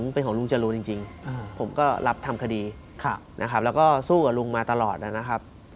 เป็นของลุงจรูนจริงผมก็รับทำคดีนะครับแล้วก็สู้กับลุงมาตลอดนะครับ